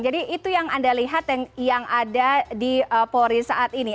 jadi itu yang anda lihat yang ada di polri saat ini